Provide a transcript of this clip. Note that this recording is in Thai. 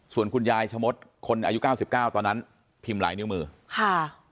ส่วนคุณยายสมมติคนอายุ๙๙ตอนนั้นพิมพ์หลายนิ้วมือค่ะ